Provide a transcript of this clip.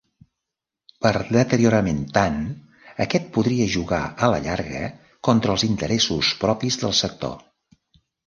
Per deteriorament tant, aquest podria jugar a la llarga contra els interessos propis del sector.